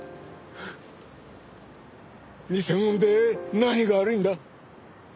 偽者で何が悪いんだ？